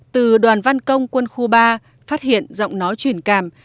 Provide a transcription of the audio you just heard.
từ đoàn văn công quân khu ba phát hiện giọng nói truyền cảm